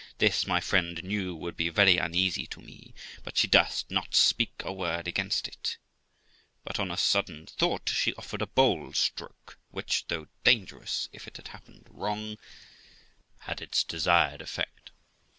This, my friend knew, would be very uneasy to me, but she durst not speak a word against it; but, on a sudden thought, she offered a bold stroke, which, though dangerous if it had happened wrong, had its desired effect.